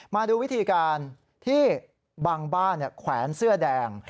มาดูวิธีการที่บางบ้านแขวนเสื้อแดง